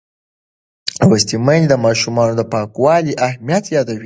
لوستې میندې د ماشومانو د پاکوالي اهمیت یادوي.